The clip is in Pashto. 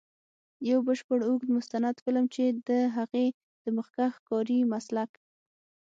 یو بشپړ اوږد مستند فلم، چې د هغې د مخکښ کاري مسلک.